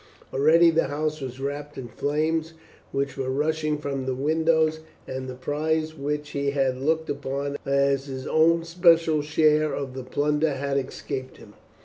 Already the house was wrapped in flames, which were rushing from the windows, and the prize which he had looked upon as his own special share of the plunder had escaped him.